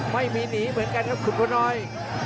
ไม่มีหนีเหมือนกันครับคุณบัวน้อย